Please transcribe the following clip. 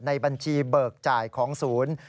ในบัญชีเบิกจ่ายของศูนย์